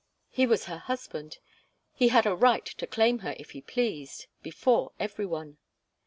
He was her husband. He had a right to claim her if he pleased before every one.